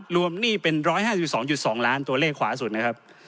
หนี้เป็น๑๕๒๒ล้านตัวเลขขวาสุดนะครับ